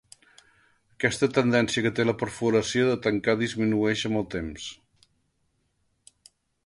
Aquesta tendència que té la perforació de tancar disminueix amb el temps.